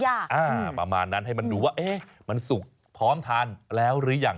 อ่าประมาณนั้นให้มันดูว่าเอ๊ะมันสุกพร้อมทานแล้วหรือยัง